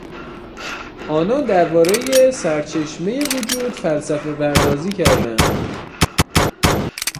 آنان دربارهی سرچشمهی وجود فلسفه پردازی کردند.